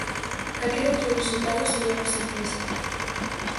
Calquera outro resultado sería unha sorpresa.